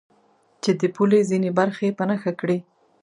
چې د پولې ځینې برخې په نښه کړي.